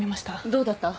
どうだった？